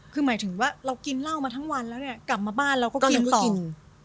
คือหมายถึงว่าเรากินเหล้ามาทั้งวันแล้วเนี่ยกลับมาบ้านเราก็กิน